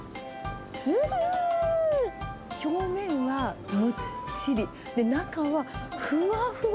表面はむっちり、中はふわふわ。